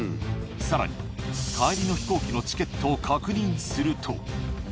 さらに、帰りの飛行機のチケットを確認すると。